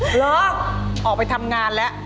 เหรอออกไปทำงานแล้ว